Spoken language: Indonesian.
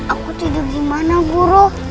aku tidur gimana guru